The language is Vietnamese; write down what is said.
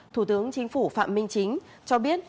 thủ tướng chính phủ phạm minh chính cho biết